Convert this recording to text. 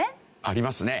ありますね。